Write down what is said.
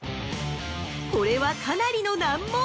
◆これはかなりの難問！